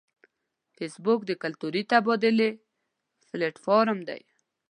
فېسبوک د کلتوري تبادلې پلیټ فارم دی